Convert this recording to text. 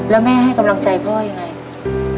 แล้วแม่ให้กำลังใจพ่อยังไง